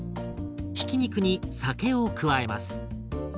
ひき肉に酒を加えます。